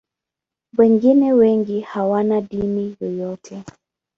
Wengine wengi hawana dini yoyote.